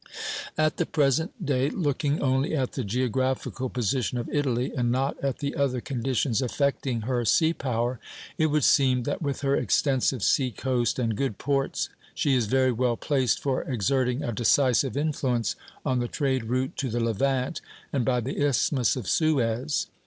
At the present day, looking only at the geographical position of Italy, and not at the other conditions affecting her sea power, it would seem that with her extensive sea coast and good ports she is very well placed for exerting a decisive influence on the trade route to the Levant and by the Isthmus of Suez.